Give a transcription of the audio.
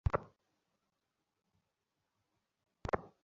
যখন থেকে তোমায় চিনি, তখন থেকেই এই একই কথা আমায় শুনিয়ে আসছো।